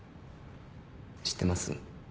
知ってます？